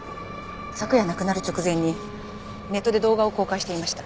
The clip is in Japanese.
昨夜亡くなる直前にネットで動画を公開していました。